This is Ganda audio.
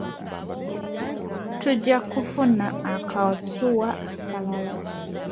Tujja kufuna akasuwa akalala.